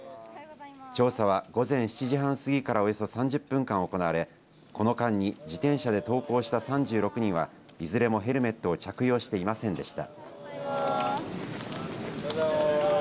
調査は午前７時半過ぎからおよそ３０分間行われこの間に自転車で登校した３６人はいずれもヘルメットを着用していませんでした。